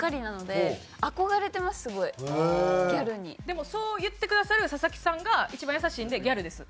でもそう言ってくださる佐々木さんが一番優しいんでギャルです。